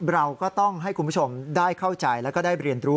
เราก็ต้องให้คุณผู้ชมได้เข้าใจแล้วก็ได้เรียนรู้